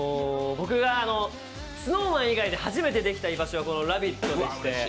僕がＳｎｏｗＭａｎ以外で始めてできた居場所がこの「ラヴィット！」でして、